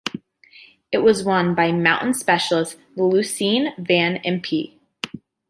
It was won by mountain specialist Lucien Van Impe.